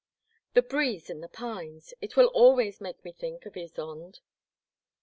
The breeze in the pines ! it will always make me think of Ysonde.